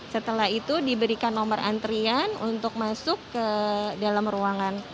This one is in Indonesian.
setelah itu diberikan nomor antrian untuk masuk ke dalam ruangan